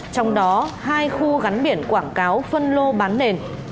trong đó hai khu gắn biển quảng cáo phân lô bán nền